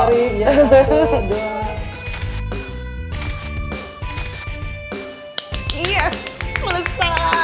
mari satu dua